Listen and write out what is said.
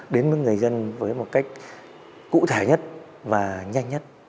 đến với người dân với một cách cụ thể nhất và nhanh nhất